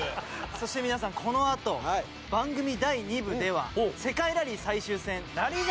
そして皆さん、このあと番組第２部では世界ラリー最終戦ラリー